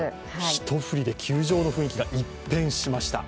一振りで球場の雰囲気が一変しました。